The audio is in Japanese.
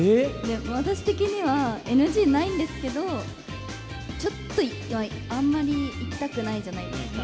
私的にはＮＧないんですけど、ちょっとあんまり行きたくないじゃないですか。